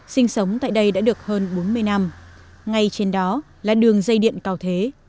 sinh sống tại đây đã được hơn bốn mươi năm ngay trên đó là đường dây điện cao thế